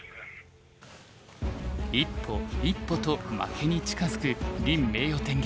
一歩一歩と負けに近づく林名誉天元。